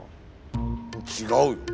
違うよ。